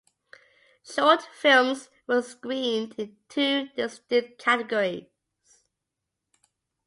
Short films were screened in two distinct categories.